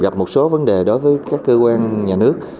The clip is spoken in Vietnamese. gặp một số vấn đề đối với các cơ quan nhà nước